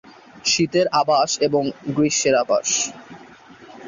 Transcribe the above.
শীতের আবাস এবং গ্রীষ্মের আবাস।